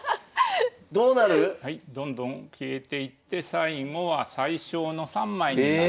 どうなる⁉どんどん消えていって最後は最少の３枚になる。